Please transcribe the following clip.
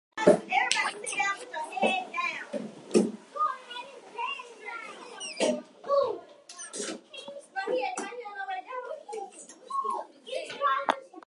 After a patchy education Li enrolled in a provincial military school.